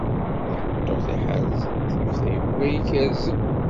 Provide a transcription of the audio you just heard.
Tameṭṭut iḥerrzen, tif tayuga ikerrzen.